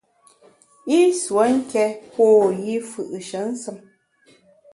I nsuo nké pô yi mfù’she nsùm.